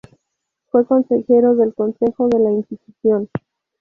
Fue consejero del Consejo de la Inquisición.